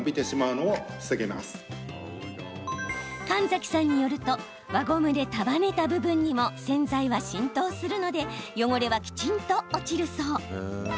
神崎さんによると輪ゴムで束ねた部分にも洗剤は浸透するので汚れは、きちんと落ちるそう。